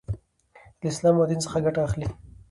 لـه اسـلام او ديـن څـخه ګـټه اخـلي .